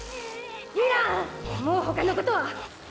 もう他のことは。